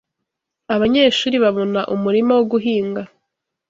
abanyeshuri babona umurima wo guhinga